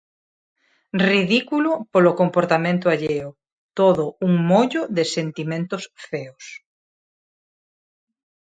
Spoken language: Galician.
Ridículo polo comportamento alleo... todo un mollo de sentimentos feos.